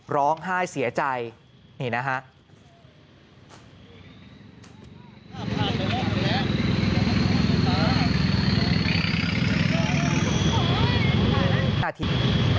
ร้องไห้เสียใจนี่นะฮะ